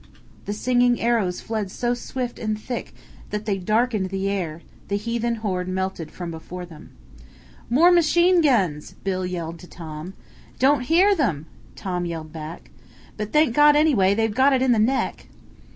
The singing arrows fled so swift and thick that they darkened the air, the heathen horde melted from before them. "More machine guns!" Bill yelled to Tom. "Don't hear them," Tom yelled back. "But, thank God, anyway; they've got it in the neck."